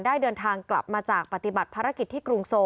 เดินทางกลับมาจากปฏิบัติภารกิจที่กรุงโซ